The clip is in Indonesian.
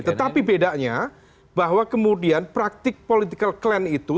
tetapi bedanya bahwa kemudian praktik political clan itu